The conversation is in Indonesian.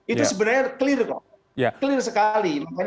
itu sebenarnya clear kok clear sekali